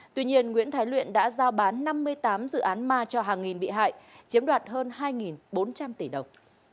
tuy nhiên nguyễn thái luyện đã giao bán năm mươi tám dự án ma cho hàng nghìn bị hại chiếm đoạt hơn hai bốn trăm linh tỷ đồng